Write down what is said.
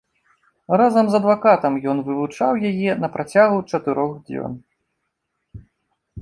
Разам з адвакатам ён вывучаў яе на працягу чатырох дзён.